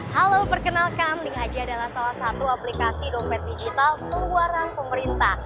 halo perkenalkan link aja adalah salah satu aplikasi dompet digital pengeluaran pemerintah